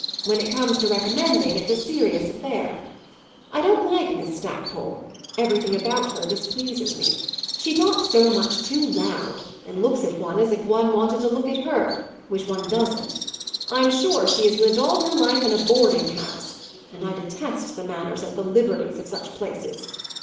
When it comes to recommending it's a serious affair. I don't like Miss Stackpole everything about her displeases me; she talks so much too loud and looks at one as if one wanted to look at her which one doesn't. I'm sure she has lived all her life in a boarding house, and I detest the manners and the liberties of such places.